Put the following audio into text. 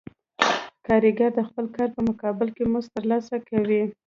کارګر د خپل کار په مقابل کې مزد ترلاسه کوي